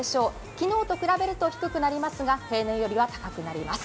昨日と比べると低いですが平年よりは高くなります。